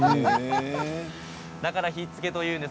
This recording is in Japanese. だからひっつけというんです。